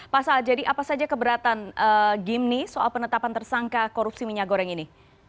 pasal jadi apa saja keberatan gimni soal penetapan tersangka korupsi minyak goreng ini